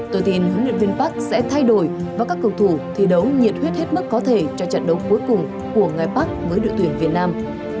tôi tin huấn luyện viên park sẽ thay đổi và các cầu thủ thi đấu nhiệt huyết hết mức có thể cho trận đấu cuối cùng của ngài bắc với đội tuyển việt nam